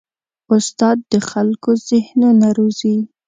استاد د خلکو ذهنونه روزي.